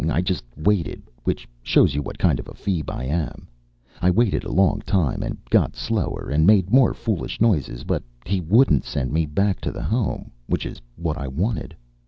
I just waited, which shows you what kind of a feeb I am. I waited a long time, and got slower, and made more foolish noises; but he wouldn't, send me back to the Home, which was what I wanted.